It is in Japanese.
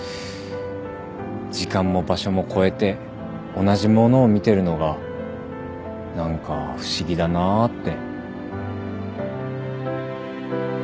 時間も場所も越えて同じものを見てるのが何か不思議だなぁって。